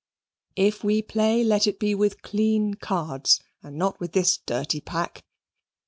If we play, let it be with clean cards, and not with this dirty pack.